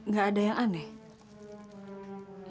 gak ada yang aneh